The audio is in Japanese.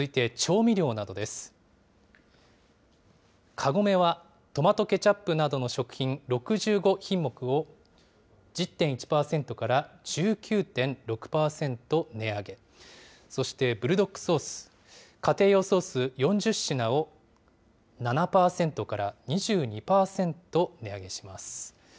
カゴメはトマトケチャップなどの食品６５品目を、１０．１％から１９．６％値上げ、そしてブルドックソース、家庭用ソース４０品を７％から２２％値上げします。